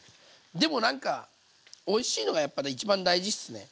でもなんかおいしいのがやっぱ一番大事っすね。